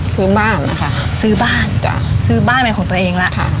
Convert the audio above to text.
ซื้อบ้านนะคะซื้อบ้านจ้ะซื้อบ้านเป็นของตัวเองแล้วค่ะ